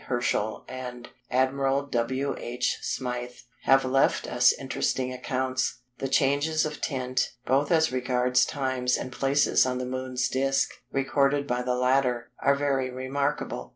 Herschel and Admiral W. H. Smyth have left us interesting accounts. The changes of tint, both as regards times and places on the Moon's disc, recorded by the latter, are very remarkable.